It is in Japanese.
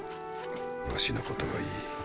儂のことはいい。